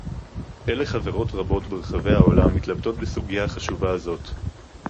אלא חברות רבות ברחבי העולם מתלבטות בסוגיה החשובה הזאת